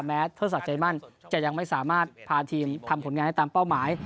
เทิดศักดิ์ใจมั่นจะยังไม่สามารถพาทีมทำผลงานได้ตามเป้าหมาย